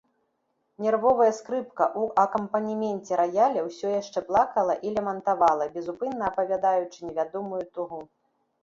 Нервовая скрыпка ў акампанеменце раяля ўсё яшчэ плакала і лямантавала, безупынна апавядаючы невядомую тугу.